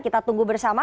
kita tunggu bersama